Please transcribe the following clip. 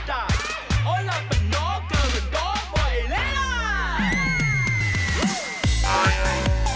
จะมาที่แตกแล้วเนี่ยฮะ